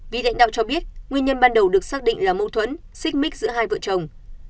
vị lãnh đạo cho biết nguyên nhân ban đầu được xác định là mâu thuẫn xích mít giữa hai vợ chồng